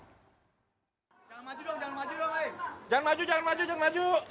nggak maju dong jangan maju dong leh jangan maju jangan maju jangan maju